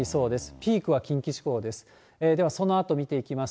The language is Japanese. ピークは近畿地方です。